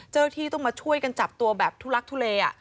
เจ้าหน้าที่ต้องมาช่วยกันจับตัวแบบทุลักทุเล